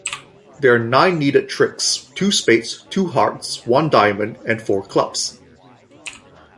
There are nine needed tricks: two spades, two hearts, one diamond and four clubs.